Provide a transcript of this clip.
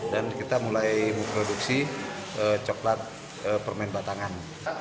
dan kita mulai memproduksi coklat permen batangan